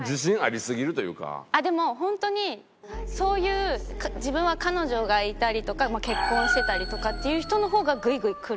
でも本当にそういう自分は彼女がいたりとか結婚してたりとかっていう人の方がグイグイくる。